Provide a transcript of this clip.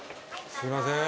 すいません。